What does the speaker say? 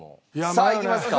さあいきますか。